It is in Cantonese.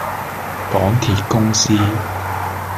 港鐵公司